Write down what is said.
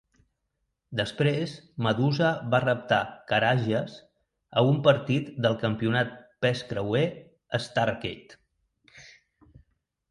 Després, Madusa va reptar Karagias a un partit del Campionat Pes Creuer a Starrcade.